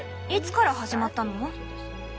いつから始まったの？